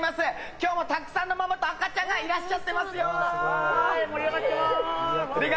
今日もたくさんのママと赤ちゃんがいらっしゃってますよ。